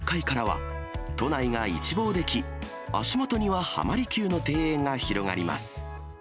レストランがある１６階からは都内が一望でき、足元には浜離宮の庭園が広がります。